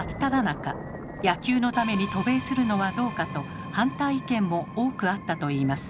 野球のために渡米するのはどうかと反対意見も多くあったといいます。